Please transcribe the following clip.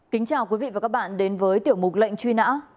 kính chào quý vị và các bạn đến với tiểu mục lệnh truy nã